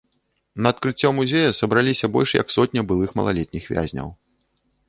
На адкрыццё музея сабраліся больш як сотня былых малалетніх вязняў.